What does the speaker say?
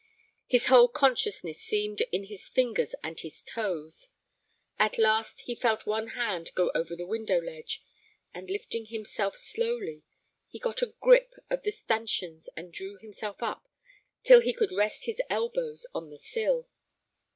His whole consciousness seemed in his fingers and his toes. At last he felt one hand go over the window ledge, and, lifting himself slowly, he got a grip of the stanchions and drew himself up till he could rest his elbows on the sill.